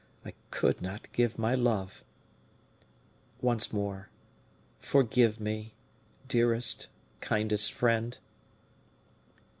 I could not give my love. Once more, forgive me, dearest, kindest friend."